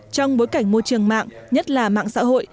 trong bối cảnh môi trường mạng nhất là mạng xã hội